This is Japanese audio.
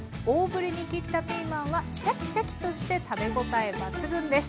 大ぶりに切ったピーマンはシャキシャキとして食べ応え抜群です。